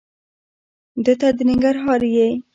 دته د ننګرهار یې؟